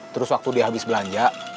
terus waktu dia habis belanja